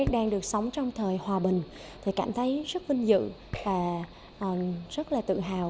đang được sống trong thời hòa bình thì cảm thấy rất vinh dự và rất là tự hào